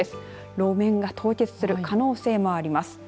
路面が凍結する可能性もあります。